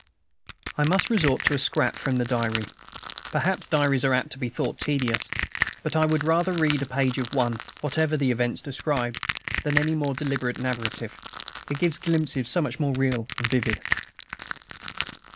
I must resort to a scrap from the diary. Perhaps diaries are apt to be thought tedious; but I would rather read a page of one, whatever the events described, than any more deliberate narrative, it gives glimpses so much more real and vivid.